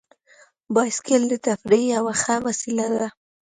بایسکل د تفریح یوه ښه وسیله ده.